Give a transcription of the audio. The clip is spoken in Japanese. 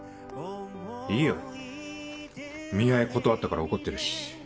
いいよ見合い断ったから怒ってるし。